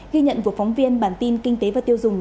ghi nhận của phóng viên bản tin kinh tế và tiêu dùng